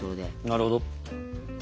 なるほど。